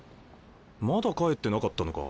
まだ帰ってなかったのか。